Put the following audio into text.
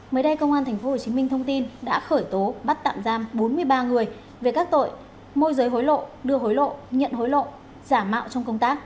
mới đây công an tp hcm thông tin đã khởi tố bắt tạm giam bốn mươi ba người về các tội môi giới hối lộ đưa hối lộ